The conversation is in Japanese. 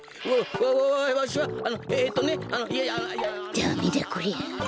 ダメだこりゃ。